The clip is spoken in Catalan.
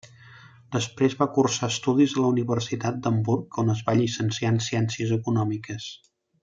Després va cursar estudis a la Universitat d'Hamburg, on es va llicenciar en ciències econòmiques.